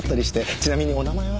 ちなみにお名前は？